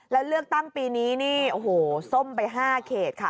แล้วเลือกตั้งปีนี้นี่โอ้โหส้มไป๕เขตค่ะ